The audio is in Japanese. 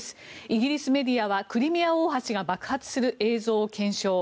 イギリスメディアはクリミア大橋が爆発する映像を検証。